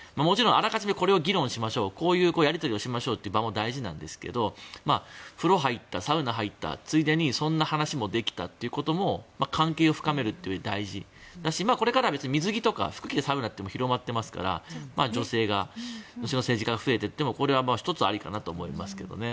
あらかじめこれを議論しましょうこういうやり取りをしましょうっていう場も大事なんですが風呂入った、サウナに入ったついでにそんな話もできたってことが関係を深めるうえで大事だしこれからは水着とか服を着てサウナとかも広がっていますから女性政治家が増えていってもこれは１つありかなと思いますけどね。